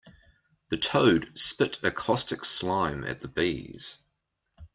The toad spit a caustic slime at the bees.